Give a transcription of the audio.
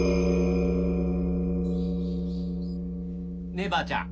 ねえばあちゃん。